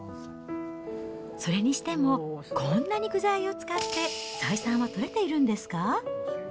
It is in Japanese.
それにしても、こんなに具材を使って採算は取れているんですか？